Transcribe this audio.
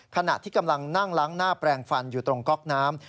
ขณะที่กำลังนั่งล้างหน้าแปลงฟันอยู่ตรงก๊อกน้ำ